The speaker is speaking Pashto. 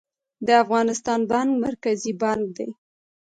د افغانستان بانک مرکزي بانک دی